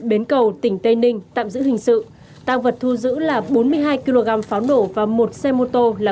bến cầu tỉnh tây ninh tạm giữ hình sự tăng vật thu giữ là bốn mươi hai kg pháo nổ và một xe mô tô là